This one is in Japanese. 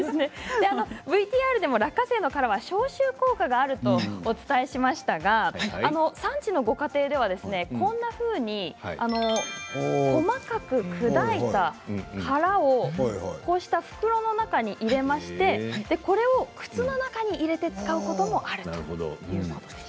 落花生の殻は消臭効果があるとＶＴＲでお伝えしましたが産地のご家庭では細かく砕いて細かく砕いた殻を袋の中に入れましてこれを靴の中に入れて使うこともあるということです。